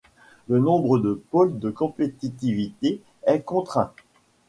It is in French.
Le nombre de pôles de compétitivité est contraint.